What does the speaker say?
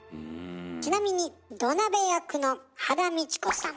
ちなみに土鍋役の羽田美智子さん。